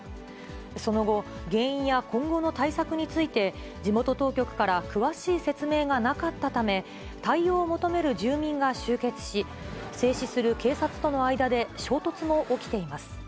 その後、原因や今後の対策について、地元当局から詳しい説明がなかったため、対応を求める住民が集結し、制止する警察との間で衝突も起きています。